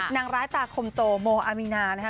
นางร้ายตาคมโตโมอามีนานะคะ